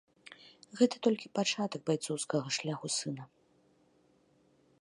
Гэта толькі пачатак байцоўскага шляху сына.